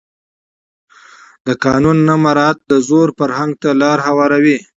د قانون نه مراعت د زور فرهنګ ته لاره هواروي